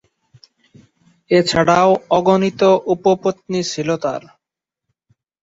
এছাড়াও অগণিত উপ-পত্নী ছিল তার।